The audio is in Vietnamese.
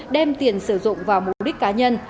đem tiền sử dụng vào mục đích cá nhân